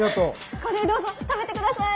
これどうぞ食べてください。